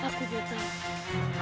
aku tidak tahu